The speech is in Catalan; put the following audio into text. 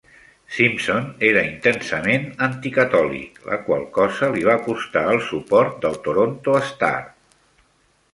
Simpson era intensament anticatòlic, la qual cosa li va costar el suport del "Toronto Star".